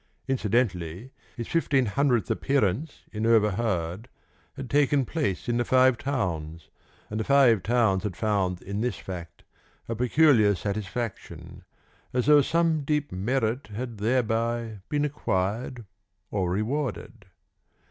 Incidentally, his fifteen hundredth appearance in "Overheard" had taken place in the Five Towns, and the Five Towns had found in this fact a peculiar satisfaction, as though some deep merit had thereby been acquired or rewarded.